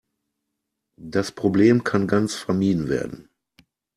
Das Problem kann ganz vermieden werden.